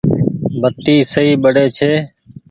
بتي سئي ٻڙي ڇي۔